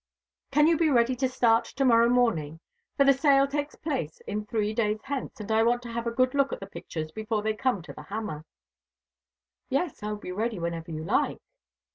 "Can you be ready to start to morrow morning? The sale takes place three days hence, and I want to have a good look at the pictures before they come to the hammer." "Yes, I will be ready whenever you like."